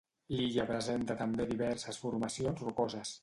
L'illa presenta també diverses formacions rocoses.